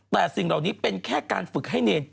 แต่สิ่งเหล่านี้เป็นแค่การฝึกให้เนร